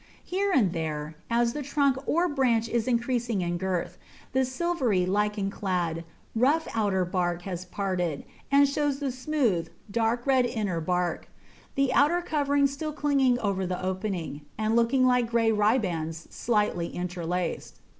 Here and there, as the trunk or branch is increasing in girth, the silvery, lichen clad, rough outer bark has parted, and shows the smooth, dark red inner bark; the outer covering still clinging over the opening, and looking like grey ribands slightly interlaced.